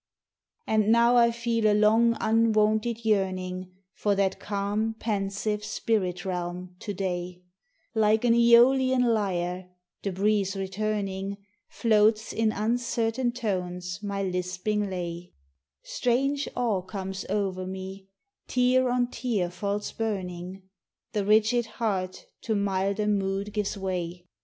And now I feel a long unwonted yearning For that calm, pensive spirit realm, to day; Like an Aeolian lyre, (the breeze returning,) Floats in uncertain tones my lisping lay; Strange awe comes o'er me, tear on tear falls burning, The rigid heart to milder mood gives way!